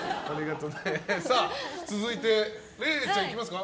続いて、れいちゃんいきますか。